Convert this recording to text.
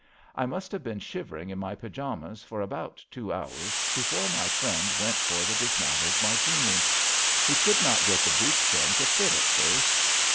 I must have been shivering in my pyjamas for about two hours be fore my friend went for the dismantled Martini. He could not get the breech pin to fit at first.